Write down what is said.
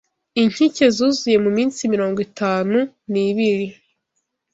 Inkike zuzuye mu minsi mirongo itanu n,ibiri